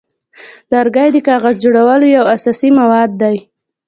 لرګی د کاغذ جوړولو یو اساسي مواد دی.